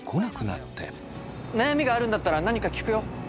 悩みがあるんだったら何か聞くよ。